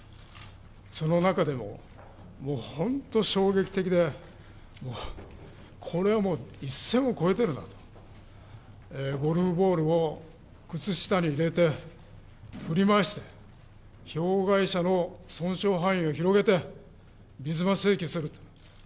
その中でも、もう本当衝撃的で、もうこれは一線を越えているなと、ゴルフボールを靴下に入れて振り回して、の損傷範囲を広げて水増し請求すると。